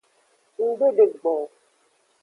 Ng de degbo o.